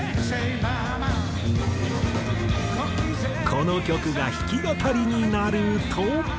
この曲が弾き語りになると。